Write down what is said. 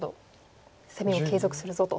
攻めを継続するぞと。